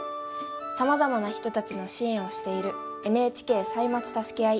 さまざまな人たちの支援をしている「ＮＨＫ歳末たすけあい」。